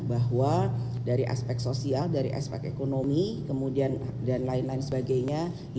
bahwa dari aspek sosial dari aspek ekonomi kemudian dan lain lain sebagainya